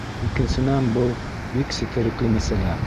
Икенсенән, был — бик сетерекле мәсьәлә.